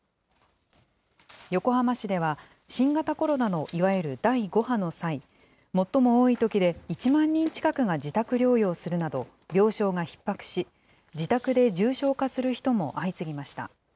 横浜市では、新型コロナのいわゆる第５波の際、最も多いときで１万人近くが自宅療養するなど、病床がひっ迫し、自宅で重症化する人も相次ぎました。